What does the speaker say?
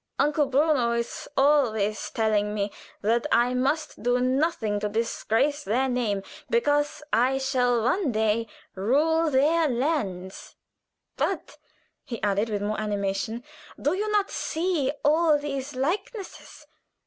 "Uncle Bruno is always telling me that I must do nothing to disgrace their name, because I shall one day rule their lands; but," he added, with more animation, "do you not see all these likenesses?